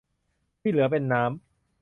ที่เหลือเป็นน้ำ